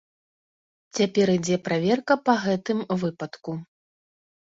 Цяпер ідзе праверка па гэтым выпадку.